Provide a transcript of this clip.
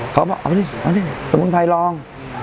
เขาบอกเอาดิสามมื้อไทยลอง